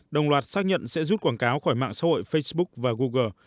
đồng loạt xác nhận sẽ rút quảng cáo khỏi mạng xã hội facebook và google